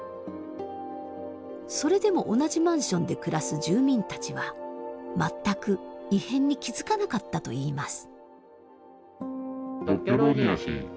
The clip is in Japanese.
それでも同じマンションで暮らす住民たちは全く異変に気付かなかったといいます。